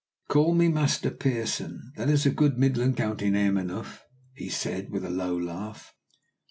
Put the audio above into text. "Call me Master Pearson; that is a good midland county name enough," he said with a low laugh.